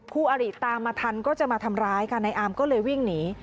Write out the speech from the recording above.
อริตามมาทันก็จะมาทำร้ายค่ะนายอามก็เลยวิ่งหนี